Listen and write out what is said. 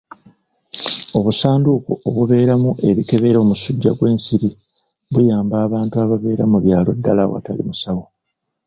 Obusanduuko obubeeramu ebikebera omusujja gw'ensiri buyamba abantu ababeera mu byalo ddaala awatali musawo.